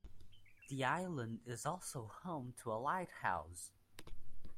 The island is also home to a lighthouse.